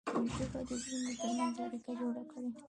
ژبه د زړونو ترمنځ اړیکه جوړه کړي